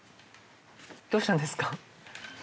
どうしたんですか？